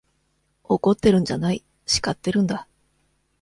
怒ってるんじゃない、叱ってるんだ。